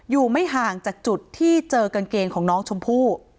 อยู่ไม่ห่างจากจุดที่เจอกางเกงของน้องชมพู่